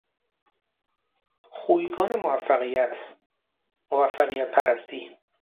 خویگان موفقیت، موفقیت پرستی